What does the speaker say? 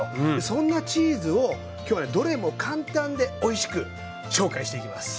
そんなチーズを今日はねどれも簡単でおいしく紹介していきます。